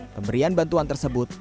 pemberian bantuan tersebut